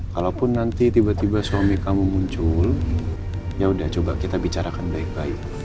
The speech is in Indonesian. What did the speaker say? kalaupun nanti tiba tiba suami kamu muncul ya udah coba kita bicarakan baik baik